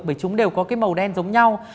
bởi chúng đều có màu đen giống nhau